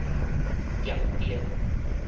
驗電